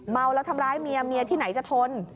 เมาแล้วทำร้ายเมียเมียที่ไหนจะทน